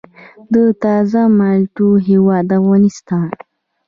د تازه مالټو هیواد افغانستان.